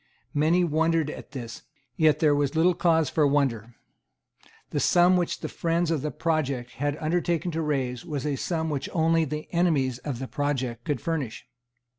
Many wondered at this; yet there was little cause for wonder. The sum which the friends of the project had undertaken to raise was a sum which only the enemies of the project could furnish.